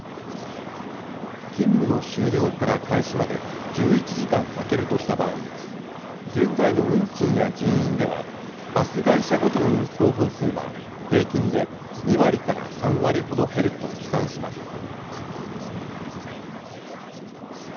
勤務の終了から開始まで１１時間空けるとした場合、現在の運賃や人員では、バス会社ごとの運行本数は平均で２割から３割ほど減ると試算します。